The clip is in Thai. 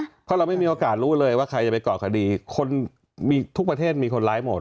เพราะเราไม่มีโอกาสรู้เลยว่าใครจะไปก่อคดีคนมีทุกประเทศมีคนร้ายหมด